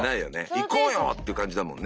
「行こうよ！」って感じだもんね